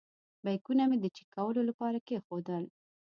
بیکونه مې د چېک کولو لپاره کېښودل.